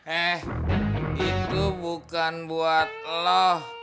eh itu bukan buat lo